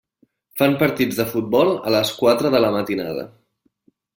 Fan partits de futbol a les quatre de la matinada.